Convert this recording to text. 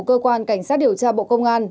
cơ quan cảnh sát điều tra bộ công an